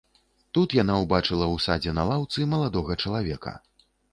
Тут яна ўбачыла ў садзе на лаўцы маладога чалавека.